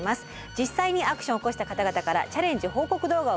実際にアクションを起こした方々からチャレンジ報告動画を募集しています。